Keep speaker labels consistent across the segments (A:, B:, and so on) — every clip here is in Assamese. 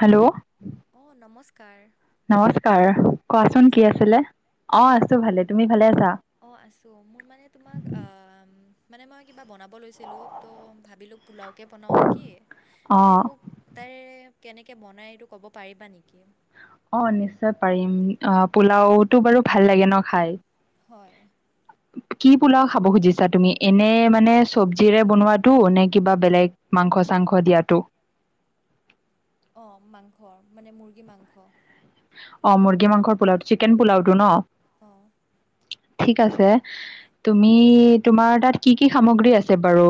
A: হেল্ল!
B: অ নমস্কাৰ!
A: নমস্কাৰ
B: ভালে
A: কোৱাচোন কি
B: আছানে
A: আছিলে? অ আছো ভালে, তুমি ভালে আছা?
B: অ আছো, মোৰ মানে তোমাক আ মানে মই কিবা বনাব লৈছিলো তো ভাবিলো পোলাও তাকে বনাও নেকি,
A: অ
B: তুমি মোক তাৰে কেনেকে বনাই এইটো ক'ব পাৰিবা নেকি?
A: অ নিশ্চয় পাৰিম। আ
B: অ
A: পোলাওটো বাৰু ভাল লাগে ন খাই।
B: হয়।
A: কি পোলাও খাব খুজিছা তুমি এনে মানে চবজিৰে বনোৱাতো নে কিবা বেলেগ মাংস-চাংস দিয়াতো।
B: অ মাংস মানে মুৰ্গী মাংস।
A: অ মুৰ্গী মাংস পোওটো চিকেন পোলাওটো ন?
B: অ।
A: ঠিক আছে, তুমি তোমাৰ তাত কি কি সামগ্ৰী আছে বাৰু,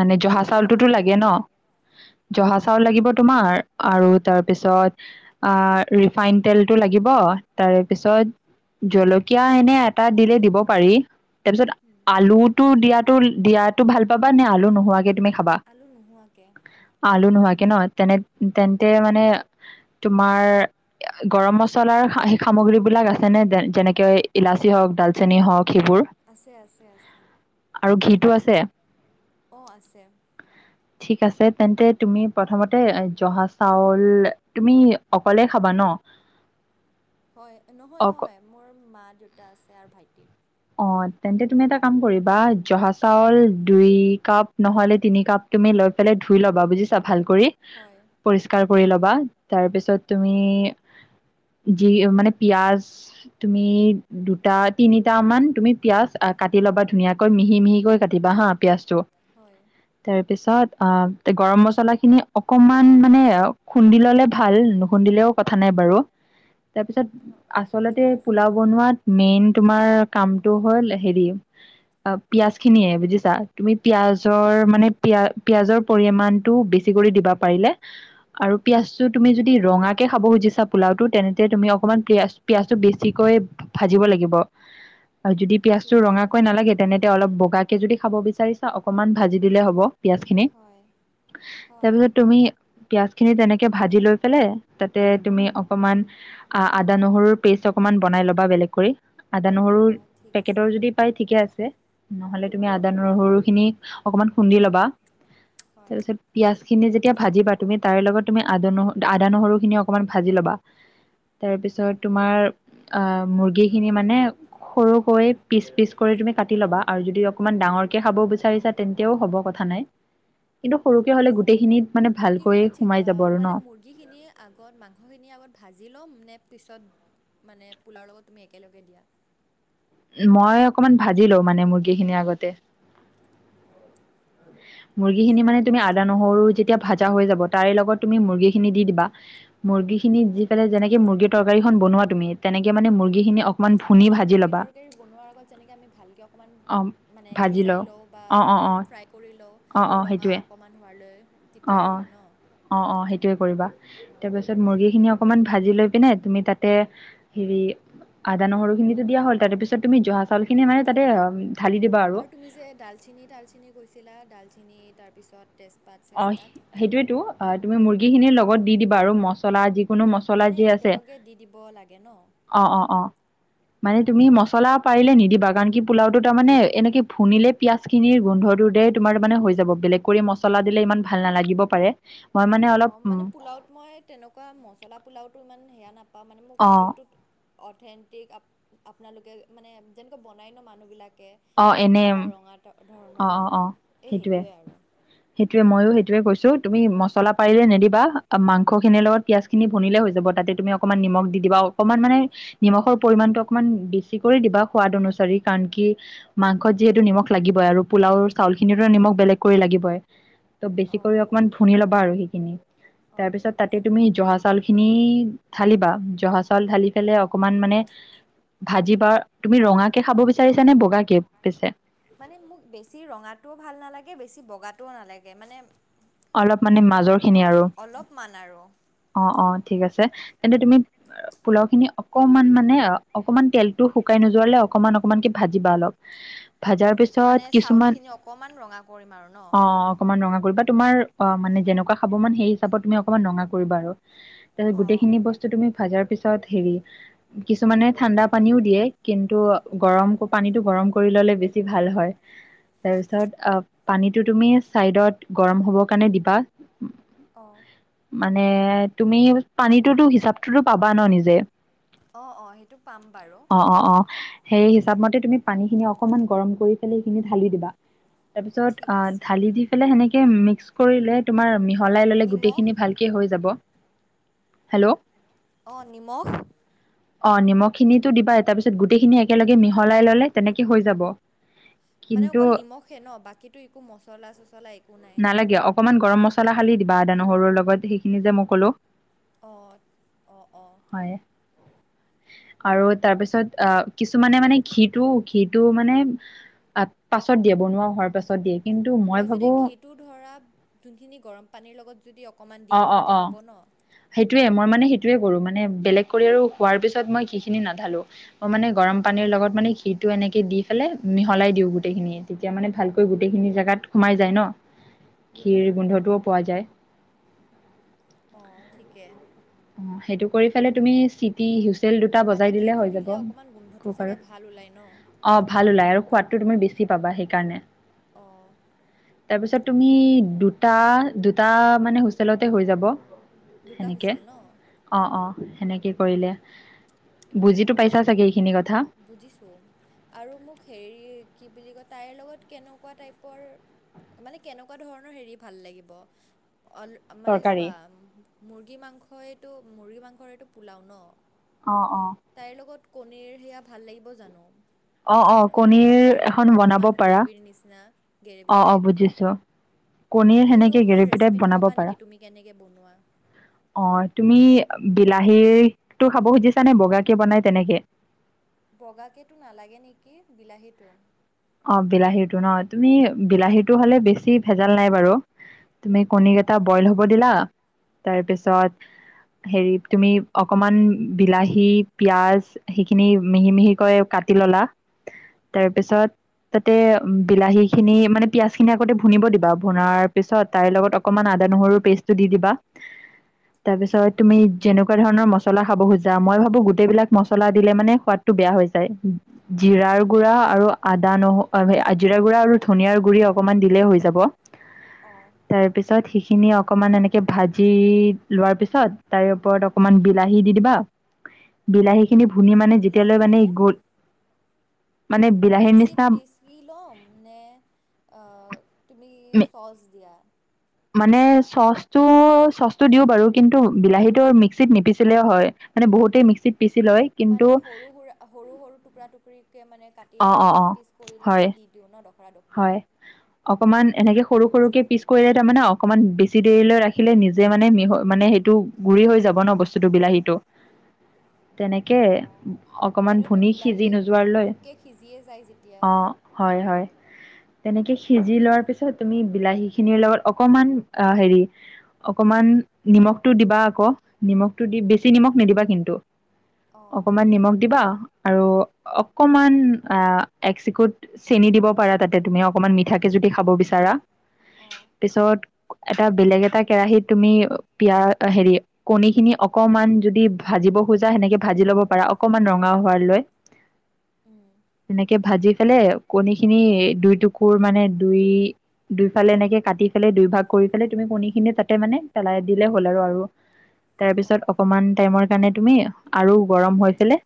A: মানে
B: এনে কি
A: জহা
B: কি
A: চাউলটোতো
B: সামগ্ৰী
A: লাগে ন, জহা
B: অ
A: চাউল লাগিব তোমাৰ আৰু তাৰপিছত আ ৰিফাইন তেলটো লাগিব তাৰে পিছত জলকীয়া এনে এটা দিলে দিব পাৰি তাৰপিছত
B: উম,
A: আলুটো দিয়াতো দিয়াতো ভাল পাবা নে আলু নোহোৱাকে তুমি খাবা
B: আলু নোহোৱাকে।
A: আলু নোহোৱাকে ন তেনে তেন্তে মানে
B: [unintelligible]
A: তোমাৰ গৰম মছ মছলাৰ সেই সেই সামগ্ৰী বিলাক আছে নে যেনেকে ইলাচি হওক ডালচেনি হওক সেইবোৰ
B: আছে আছে আছে।
A: আৰু ঘিটো আছে
B: অ আছে।
A: ঠিক আছে তেন্তে তুমি প্ৰথমতে জহা চাউল তুমি
B: অকলে খাবা ন হয় নহয়
A: অ
B: নহয় মোৰ মা দেউতা আছে আৰু ভাইটি
A: অ তেন্তে তুমি এটা কাম কৰিবা জহা চাউল দুই কাপ নহলে তিনি কাপ তুমি লৈ পেলাই ধুই ল'বা বুজিছা ভাল কৰি
B: হয়
A: পৰিস্কাৰ কৰি ল'বা তাৰপিছত তুমি যি মানে পিয়াজ তুমি দুটা তিনি টামান তুমি পিঁয়াজ আ কাটি লবা ধুনীয়াকৈ মিহি মিহিকৈ কাটিবা হা পিয়াঁজটো
B: হয়
A: তাৰ পিছত আ গৰম মছলা খিনি অকমান মানে খুন্দি ললে ভাল নুখুন্দিলেও কথা নাই বাৰু
B: হওক
A: তাৰপিছত
B: ঠিক
A: আচলতে
B: আছে।
A: পোলাও বনোৱাত মেইন তোমাৰ কামটো হ'ল হেৰি অ পিয়াজ খিনিয়ে বুজিছা তুমি পিয়াজৰ মানে পিয়া পিয়াজৰ পৰিমাণটো বেছি কৰি দিবা পাৰিলে আৰু পিয়াজটো তুমি যদি ৰঙাকে খাব খুজিছা পোলাওটো তেনেতে তুমি অকণমান পিয়াজ পিয়াজটো বেছিকৈ ভাজিব লাগিব আৰু যদি
B: ঠিক
A: পিয়াজটো
B: আছে
A: ৰঙাকৈ নালাগে তেনেতে অলপ বগাকে যদি খাব বিচাৰিছা অকমান ভাজি দিলে হ'ব পিয়াজখিনি
B: হয় হয়
A: তাৰপিছত তুমি পিয়াজখিনি তেনেকে ভাজি লৈ পেলাই তাতে তুমি অকমান আ আদা নহৰুৰ পেষ্ট অকমান বনাই লবা বেলেগ কৰি আদা ন
B: হয় ঠিক আছে
A: পেকেটৰ যদি পাই ঠিকে আছে নহলে তুমি
B: অঁ
A: আদা নহৰু খিনি অকমান খুন্দি ল'বা
B: হয়
A: তাৰ পিছত পিয়াজ খিনি যেতিয়া ভাজিবা তুমি তাৰে লগত তুমি আদা ন আদা নহৰুখিনি অকমান ভাজি ল'বা
B: [unintelligible]
A: তাৰ পিছত তোমাৰ আ মুৰ্গী খিনি মানে সৰুকৈ পিচ পিচ কৰি তুমি কাটি ল'বা আৰু যদি অকনমান ডাঙৰকে খাব বিচাৰিছা তেন্তেও হ'ব কথা নাই কিন্তু সৰুকে
B: ঠিক
A: হ'লে
B: আছে
A: গোটেইখিনিত মানে ভালকৈ
B: কিন্তু চি
A: সোমাই
B: আ
A: যাব আৰু
B: মানে
A: ন।
B: মুৰ্গীখিনি আগত মাংসখিনি আগত ভাজি ল'ম নে পিছত মানে পোলাও লগত তুমি একেলগে দিয়া
A: মই অকনমান ভাজি লওঁ মানে মুৰ্গী খিনি আগতে মুৰ্গীখিনি
B: আচ্ছা
A: মানে তুমি আদা নহৰু যেতিয়া ভাজা হৈ যাব তাৰে লগত তুমি মুৰ্গীখিনি দি দিবা মুৰ্গী খিনিত দি
B: অঁ
A: পেলাই যেনেকে মুৰ্গী তৰকাৰীখন বনোৱা তুমি তেনেকে মানে মুৰ্গীখিনি অক
B: মানে মুৰ্গী তৰকাৰী বনোৱাৰ আগত যেনেকে আমি ভালকে অকমান
A: অ'
B: মানে সিজাই লওঁ বা
A: অ' অ'
B: মানে
A: অ'
B: ফ্ৰাই কৰি লওঁ
A: অ' অ'
B: ৰঙা
A: সেইটোৱে
B: অকণমান হোৱালৈ
A: অ অ
B: তেতিয়ালৈ ন
A: অ অ সেইটোৱে কৰিবা
B: অঁ
A: তাৰপাছত মুৰ্গীখিনি অকণমান ভাজি লৈ পিনে তুমি তাতে হেৰি আদা নহৰুখিনিতো দিয়া হ'ল তাৰে পিছত তুমি জহা চাউলখিনি মানে তাতে অম
B: আৰু তুমি যে ডালচিনি তালচেনি কৈছিলা ডালচেনি তাৰপিছত তেজপাত
A: অঁ
B: চেজপাত।
A: সেইটোৱেতো আ তুমি মুৰ্গীখিনি লগত দি দিবা আৰু মষ্ট জলা যিকোনো
B: অ
A: মচলা
B: মানে
A: যি আছে,
B: একেলগে দি দিব লাগে ন
A: অ অ অ।
B: অ
A: মানে তুমি মছলা পাৰিলে নিদিবা কাৰণ কি পোলাওটো তাৰমানে এনেকৈ ফুনিলে পিঁয়াজখিনিৰ গোন্ধটো দে তোমাৰ তাৰমানে হৈ যাব। বেলেগ কৰি মছলা দিলে ইমান ভাল নালাগিব পাৰে মই মানে
B: অ
A: অলপ, উম।
B: মানে পোলাওত মই তেনেকুৱা মছলা পোলাওটো ইমান হেয়া নাপাওঁ মানে মোক
A: অঁ
B: জোনটোত অঠেন্তিক আপ আপোনালোকে মানে যেনেকৈ বনাই ন মানুহবিলাকে।
A: অঁ এনে
B: বগা বা ৰঙা ত
A: অঁ
B: ধৰণৰ
A: অঁ অঁ
B: এ সেইটোৱে আৰু।
A: সেইটোৱে মইও সেইটোয়ে কৈছো তুমি মছলা
B: অঁ
A: পাৰিলে নিদিবা অ মাংসখিনিৰ লগত পিয়াজখিনি ভুনিলে হৈ যাব তাতে তুমি অকণমান নিমখ দি দিবা অকণমান মানে নিমখৰ পৰিমাণটো অকমান বেছিকৈয়ে দিবা সোৱাদ অনুচাৰি কাৰণ কি মাংসত যিহেতু নিমখ লাগিবই আৰু পোলাও চাউলখিনিতো নিমখ বেলেগ কৰি লাগিবই। ত বেছি
B: অঁ
A: কৰি অকমান ভুনি ল'বা আৰু
B: অঁ
A: তাৰপিছত
B: ঠিক
A: তাতে
B: আছে
A: তুমি জহা চা চাউলখিনি ঢালিবা জহা চাউল ঢালি পেলে অকমান মানে ভাজিবা তুমি ৰঙা কে খাব বিচাৰিছ নে বগা কে পিছে?
B: মানে মোক বেছি ৰঙাটোও ভাল নালাগে বেছি বগাটোও নালাগে। মানে
A: অলপ মানে মাজৰ
B: [unintelligible]
A: খিনি
B: অ
A: আৰু
B: অলপমান আৰু।
A: অ অ ঠিক আছে তেন্তে তুমি পোলাও খিনি অকমান মানে অ অকমান তেলতো শুকাই নোযোৱালে অকমান অকমানকে ভাজিবা অলপ, ভাজাৰ পিছ
B: মানে চাউলখিনি অকণমান ৰঙা কৰিম আৰু ন?
A: অ অকমান ৰঙা কৰিবা তোমাৰ অ মানে যেনেকুৱা খাব মন সেই হিচাপত তুমি অকমান ৰঙা কৰিবা আৰু। তাছত
B: অঁ
A: গোটেইখিনি বস্তু তুমি ভাজাৰ পিছত হেৰি কিছুমানে ঠাণ্ডা পানীও দিয়ে কিন্তু গৰম পানীটো গৰম কৰি ল'লে বেছ ছি ভাল হয়, তাৰপিছত অ পানীটো তুমি চাইডত গৰম হ'বৰ কাৰণে দিবা।
B: অ।
A: মানে তুমি পানীটোতো হিচাপ টোতো পাবা ন নিজে,
B: অঁ অঁ সেইটো পাম বাৰু
A: অ অ অ। সেই হিচাপ মতে তুমি পানীখিনি অকনমান গৰম কৰি পেলাই সেইখিনি ঢালি দিবা। তাৰপিছত
B: ঠিক
A: অ
B: আছে
A: ঢালি দি পেলাই সেনেক কে মিক্স কৰিলে তোমাৰ মিহলাই ল'লে
B: নিমখ
A: গোটেইখিনি ভালকে হৈ যাব। হেল্ল'।
B: অ নিমখ
A: অ নিমখখিনিটো দিবাই তাৰ পিছত গোটেইখিনি একেলগে মিহলাই ল'লে তেনেকে হৈ যাব।
B: মানে
A: কিন্তু
B: অকল নিমখে ন বাকীতো একো মচলা-চচলা এক
A: নালাগে, অকনমান গৰম মছলা হালি দিবা আদা নহৰুৰ লগত সেইখিনি যে মই ক'লো।
B: অ'ত অ অ।
A: হয়। আৰু তাৰপিছত অ কিছুমানে মানে ঘিটো ঘিটো মানে আত পাছত দিয়ে বনোৱা হোৱাৰ পাছত দিয়ে। কিন্তু
B: মই যদি
A: ভাবো
B: ঘিটো ধৰা যোনখিনি গৰম পানীৰ লগত যদি অক
A: অ অ অ। সেইটোৱে মই মানে সেইটোৱে কৰো, মানে বেলেগ কৰি আৰু হোৱাৰ পিছত মই ঘি খিনি নাঢালো। মই মানে গৰম পানীৰ লগত মানে ঘি'টো এনেকে দি পেলাই মিহলাই দিওঁ গোটেইখিনিয়ে। তেতিয়া মানে ভালকৈ গোটেইখিনি জেগাত সোমাই যায় ন', ঘিৰ গোন্ধটোও পোৱা যায়।
B: অ' ঠিকে।
A: অ' সেইটো কৰি পেলাই তুমি চি হিউচেল দুটা
B: মানে
A: বজাই দিলে
B: ঘিটো
A: হৈ যাব
B: অকণমান গোন্ধটো চাগে ভাল ওলায় ন
A: কুকাৰৰ। অ' ভাল ওলাই আৰু সোৱাদটো তুমি বেছি পাবা সেইকাৰণে।
B: অ'।
A: তাৰপিছত তুমি দুটা-দুটা মানে হুইচেলটে হৈ যাব।
B: দুটা
A: সেনেকে
B: হুইচেল ন'?
A: অ' অ', সেনেকে
B: অঁ
A: কৰিলে
B: ঠিক
A: বুজিটো পাইছা
B: আছে
A: চাগে এইখিনি কথা?
B: বুজিছোঁ! আৰু মোক হেৰি কি বুলি কয় তাইৰ লগত কেনেকুৱা টাইপৰ মানে কেনেকুৱা ধৰণৰ হেৰি ভাল লাগিব? অল মানে
A: তৰকাৰী
B: চোৱা মুৰ্গী মাংসইটো মুৰ্গী মাংসৰেটো পোলাও ন'?
A: অ' অ'।
B: তাইৰ লগত কণীৰ সেয়া ভাল লাগিব জানো'?
A: অ' অ', কণীৰ
B: তৰকাৰী
A: এখন বনাব
B: অলপমান
A: পাৰা।
B: গ্ৰেভিৰ নিচিনা গ্ৰেভি
A: অ' অ',
B: টাইপ
A: বুজিছোঁ! কণীৰ
B: সেইটো
A: সেনেকে
B: অকণমান
A: গেৰেভি টাইপ
B: ৰেচিপিটো
A: বনাব
B: ক'বা
A: পাৰা।
B: নেকি তুমি কেনেকৈ বনোৱা
A: অ' তুমি বিলাহী টো খাব খুজিছা নে? বগাকে বনাই তেনেকে?
B: বগাকেটো নালাগে নেকি, বিলাহীটো।
A: অ' বিলাহীটো ন', তুমি বিলাহীটো হলে বেছি ভেজাল নাই বাৰু। তুমি
B: অঁ
A: কণীকেইটা বইল হ'ব দিলা। তাৰপিছত হেৰি তুমি অকমান বিলাহী, পিয়াজ, সেইখিনি মিহি-মিহিকৈ কাটি ললা তাৰ পিছত তাতে উম, বিলাহী খিনি মানে পিয়াজ খিনি আগতে ভুনিব দিবা। ভুনাৰ পিছত তাইৰ লগত অকমান আদা, নহৰু পেজটো দি দিবা।
B: ঠিক
A: তাৰপিছত
B: আছে
A: তুমি যেনেকুৱা ধৰণৰ মছলা খাব খোজা, মই ভাবো গোটেইবিলাক মছলা দিলে মানে সোৱাদটো বেয়া হৈ যায়। জিৰাৰ
B: অঁ
A: গুৰা আৰু আদা, নহ আৰু জিৰা গুড়া আৰু ধনিয়াৰ গুৰি অকমান দিলেই হয় যাব।
B: অঁ।
A: তাৰ পিছত সিখিনি অকমান এনেকে ভাজি লোৱাৰ পিছত তাৰে ওপৰত অক অকমান বিলাহী দি দিবা বিলাহী। খিনি ভুনি মানে যেতিয়ালৈ মানে গল মানে বিলাহীৰ
B: মিক্সিত
A: নিচিনা
B: পিচিব লম নে, আ তুমি চচ দিয়া?
A: মানে চচটো-চচটো দিও বাৰু! কিন্তু বিলাহীটো মিক্সিত নিপিচিলেও হয়। মানে বহুতেই মিক্সিত পিছি লয়। কিন্তু
B: মানে সৰু-সৰু-সৰু-সৰু টুকুৰা-টুকুৰিকে মানে
A: অঁ
B: কাটিলো
A: অঁ
B: পিচ
A: অঁ
B: পিচ কৰিলো
A: হয়
B: মানে দি [unintelligible]
A: হয়। অকমান এনেকে সৰু-সৰুকে পিচ কৰিলে তাৰমানে অকণমান বেছি দেৰিলৈ ৰাখিলে নিজে মানে মিহ মানে সেইটো গুৰি হৈ যাব ন বস্তুটো বিলাহীটো। তেনেক কে
B: অঁ
A: অকমান
B: এনেওতো
A: ভুনী সিজি
B: বিলাহী
A: নোযোৱাৰ লয়।
B: ফুটুককে সিজিয়ে যায় যেতিয়া
A: অ'! হয় হয়। তেনেকে সিজি লোৱাৰ পিছত তুমি বিলাহী খিনিৰ লগত অকমান অ' হেৰি অকমান নিমখটো দিবা আকৌ নিমখটো দি বেছি নিমখ নিদিবা কিন্তু।
B: অঁ
A: অকমান নিমখ দিবা। আৰু অকমান আ এক চিকুট চেনি দিব পাৰা তাতে তুমি অকমান মিঠা, কে যদি খাব
B: অঁ অঁ
A: বিচাৰা
B: অঁ
A: পিছত, এটা বেলেগ এটা কেৰাহিত তুমি পিয়া হেৰি, কণী খিনি অকমান যদি ভাজিব খোজা সেনেকে ভাজি লব পাৰা অকমান ৰঙা হোৱালৈ।
B: [inaudible]
A: এনেকে ভাজি ফেলে কণী খিনি দুই টুকুৰ মানে দুই, দুইফালে এনেকে কাটি ফেলে দুই ভাগ কৰি পেলে তুমি কণী খিনি তাতে মানে পেলাই দিলে হ'ল আৰু।
B: [inaudible]
A: তাৰপিছত
B: অঁ
A: অকমান টাইমৰ কাৰণে তুমি আৰু গৰম হৈ পেলে।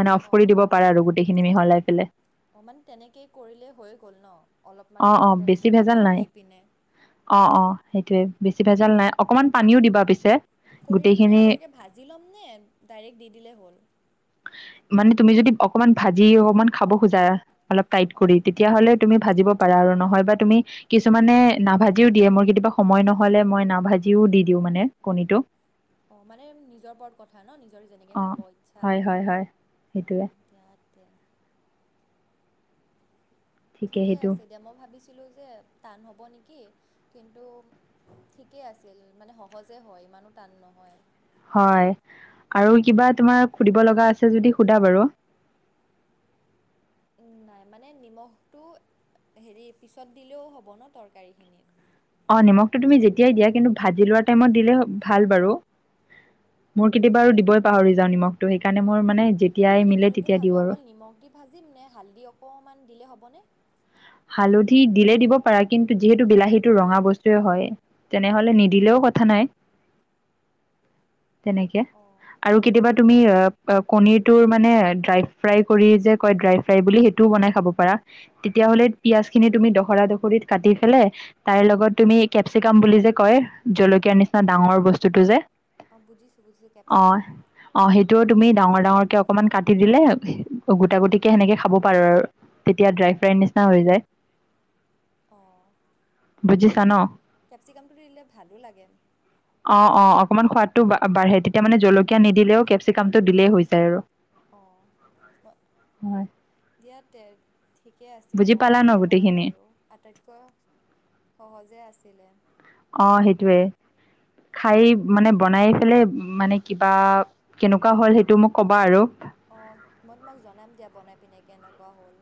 A: মানে অফ
B: অঁ
A: কৰি দিব পাৰা আৰু গোটেইখিনি মিহলাই পেলে।
B: অকণমান তেনেকৈ কৰিলেই হৈ গ'ল ন
A: অ
B: অলপমান
A: অ বেছি
B: তেনেকে
A: ভেজাল
B: গাপত
A: নাই
B: দি পিনে।
A: অ, অ সেইটোৱে বেছি ভেজাল নাই অকণমান পানীও দিবা পিছে।
B: কণীটো তুমি
A: গোটেইখিনি
B: আগতীয়াকৈ ভাজি ল'মনে? ডাইৰেক্ট দি দিলেই হ'ল।
A: মানে তুমি যদি অকমান ভাজি অকমান খাব খোজা অলপ টাইট
B: অ
A: কৰি যি তেতিয়াহ'লে তুমি ভাজিব পাৰা আৰু নহয় বা তুমি। কিছুমানে নাভাজিও দিয়ে মোৰ কেতিয়াবা সময় নহলে মই নাভাজিও দি দিওঁ মানে কণীটো।
B: অ মানে নিজৰ ওপৰত কথা ন নিজৰ যেনেকে
A: অ
B: খাব ইচ্ছা
A: হয় হয় হয়
B: অ
A: সেইটোৱে
B: দিয়াতে। ঠিকে আছে দে মই ভাবিছিলো যে টান হ'ব নেকি কিন্তু ঠিকে আছিল মানে সহজে হয় ইমানো টান নহয়।
A: হয় আৰু কিবা তোমাৰ সুধিব লগা আছে যদি সোধা বাৰু।
B: নাই মানে নিমখটো হেৰি পিছত দিলেও হ'ব ন তৰকাৰীখিনিত।
A: অ নিমখটো তুমি যেতিয়াই দিয়া কিন্তু ভাজি লোৱা টাইমত দিলে ভাল বাৰু। মোৰ কেতিয়াবা আৰু দিবই পাহৰি যাও নিমখটো সেইকাৰণে মোৰ মানে,
B: কিন্তু
A: যেতিয়াই
B: যদি
A: মিলে
B: কণীটো
A: তেতিয়া
B: ভাজোঁ
A: দিওঁ আৰু
B: অকল নিমখ দি ভাজিম নে হালধি অকণমান দিলেই হ'বনে।
A: হালধি দিলে দিব পাৰা কিন্তু যিহেতু বিলাহীটো ৰঙা বস্তুৱে হয়। তেনেহলে নিদিলেও কথা নাই।
B: [inaudible]
A: তেনেকে
B: অঁ
A: আৰু, কেতিয়াবা তুমি কণীৰটোৰ মানে ড্ৰাই ফ্ৰাই কৰি যে কয় ড্ৰাই। ফাই বুলি সেইটোও বনাই খাব পাৰা তেতিয়াাহ'লে পিয়াজ খিনি তুমি দহৰা দখৰিত কাটি পেলে, তাৰ লগত তুমি কেপচিকাম বুলি যে কয় জলকীয়া জলকীয়া নিচিনা ডাঙৰ বস্তুটো যে
B: অঁ বুজিছোঁ বুজিছোঁ
A: অ,
B: কেপচিকাম
A: অ সেইটোও তুমি ডাঙৰ ডাঙৰকে অকনমান কাটি দিলে গোটা গুটিকে সেনেকে খাব পাৰো আৰু। তেতিয়া ড্ৰাই ফ্ৰাইৰ নিচিনা হৈ যায়।
B: অঁ
A: বুজিছা ন।
B: কেপচিকেনটো দিলে ভালো লাগে।
A: অ অ অকমান সোৱাদটো বা বাঢ়ে তেতিয়া মানে জলকীয়া নিদিলেও কেপচিকাম টো দিলেই হৈ যায় আৰু।
B: অ
A: হয়
B: দিয়া তে। ঠিকেই আছিল
A: বুজি পালা ন
B: সহজেই হয়
A: গোটেইখিনি
B: বাৰু আটাইতকৈ সহজে আছিলে।
A: অ সেইটোয়ে খাই
B: অঁ
A: মানে বনাই পালে মানে। কিবা কেনেকুৱা হ'ল সেইটো মোক ক'বা আৰু।
B: অঁ মই তোমাক জনাম দিয়া বনাই পিনে কেনেকুৱা হ'ল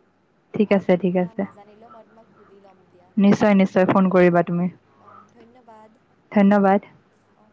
A: ঠিক
B: আৰু
A: আছে ঠিক
B: কিবা
A: আছে
B: নাজানিলেও মই তোমাক সুধি ল'ম দিয়া
A: নিশ্চয় নিশ্চয় ফোন
B: অ
A: কৰিবা তুমি
B: অ ধন্যবাদ
A: ধন্যবাদ
B: অ